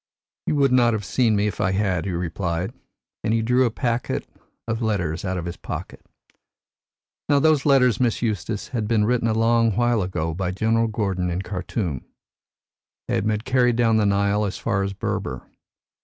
'You would not have seen me if I had,' he replied, and he drew a packet of letters out of his pocket. Now, those letters, Miss Eustace, had been written a long while ago by General Gordon in Khartum. They had been carried down the Nile as far as Berber.